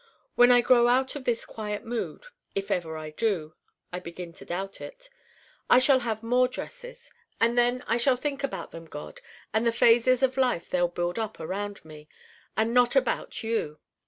When I grow out of this quiet mood (if ever I do: I begin to doubt it) I shall have more dresses, and then I shall think about them, God, and the phases of life they'll build up around me, and not about you.